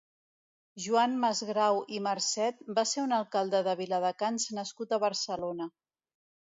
Joan Masgrau i Marcet va ser un alcalde de Viladecans nascut a Barcelona.